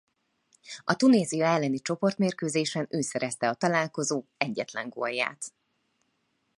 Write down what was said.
A Tunézia elleni csoportmérkőzésen ő szerezte a találkozó egyetlen gólját.